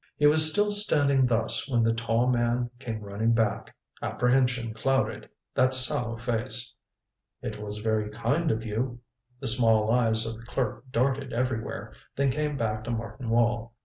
He was still standing thus when the tall man came running back. Apprehension clouded that sallow face. "It was very kind of you." The small eyes of the clerk darted everywhere; then came back to Martin Wall.